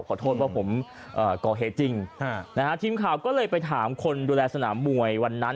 ขอโทษว่าผมก่อเหตุจริงนะฮะทีมข่าวก็เลยไปถามคนดูแลสนามมวยวันนั้น